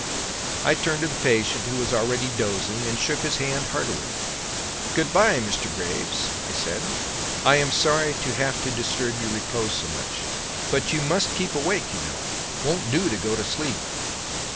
I turned to the patient, who was already dozing, and shook his hand heartily. "Good bye, Mr. Graves!" I said. "I am sorry to have to disturb your repose so much; but you must keep awake, you know. Won't do to go to sleep."